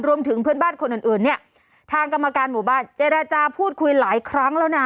รวมถึงเพื่อนบ้านคนอื่นอื่นเนี่ยทางกรรมการหมู่บ้านเจรจาพูดคุยหลายครั้งแล้วนะ